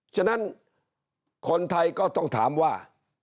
ฉะนั้นคนไทยก็ต้องถามว่า